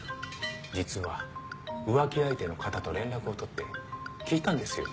実は浮気相手の方と連絡を取って聞いたんですよ。